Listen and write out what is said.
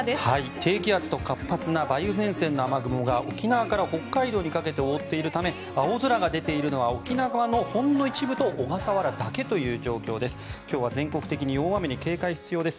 低気圧と活発な梅雨前線の雨雲が沖縄から北海道にかけて覆っているため青空が出ているのは沖縄のほんの一部と小笠原だけという状況です。